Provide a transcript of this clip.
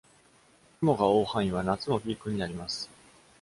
雲が覆う範囲は夏もピークになります。